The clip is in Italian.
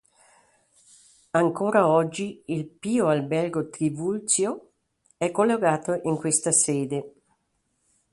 Ancora oggi il Pio Albergo Trivulzio è collocato in questa sede.